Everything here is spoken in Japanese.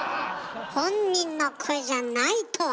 本人の声じゃないとは！